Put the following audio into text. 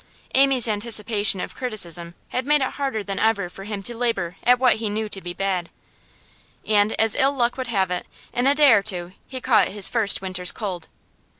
Amy's anticipation of criticism had made it harder than ever for him to labour at what he knew to be bad. And, as ill luck would have it, in a day or two he caught his first winter's cold.